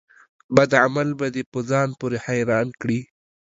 بد عمل به دي په ځان پوري حيران کړي